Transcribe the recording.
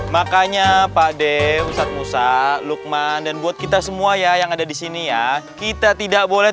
makanya pakde usap usap lukman dan buat kita semua ya yang ada di sini ya kita tidak boleh